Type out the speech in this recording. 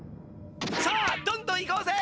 さあどんどん行こうぜ！